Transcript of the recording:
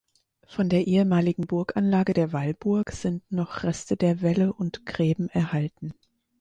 Von der ehemaligen Burganlage der Wallburg sind noch Reste der Wälle und Gräben erhalten.